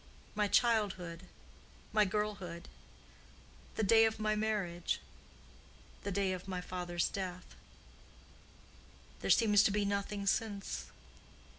My childhood—my girlhood—the day of my marriage—the day of my father's death—there seems to be nothing since.